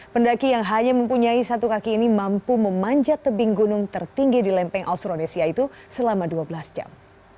pendaki yang hanya mempunyai satu kaki ini mampu memanjat tebing gunung tertinggi di lempeng austronesia itu selama dua belas jam